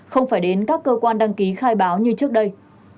không phải đến các cơ quan đăng ký khai báo như trước đây